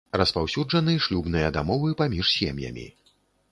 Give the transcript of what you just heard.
Распаўсюджаны шлюбныя дамовы паміж сем'ямі.